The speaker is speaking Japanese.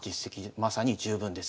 まさに十分ですね。